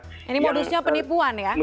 ini modusnya penipuan ya